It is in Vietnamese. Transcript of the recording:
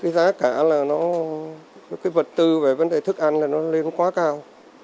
giá cá là vật tư về vấn đề thức ăn là nó lên quá cao